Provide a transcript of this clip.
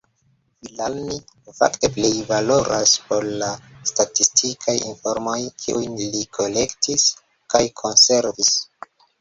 Villani fakte plej valoras pro la statistikaj informoj, kiujn li kolektis kaj konservis.